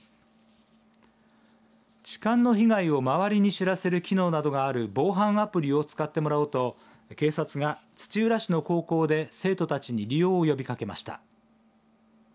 痴漢の被害を周りに知らせる機能などがある防犯アプリを使ってもらおうと警察が土浦市の高校で生徒たちに利用を呼びかけました。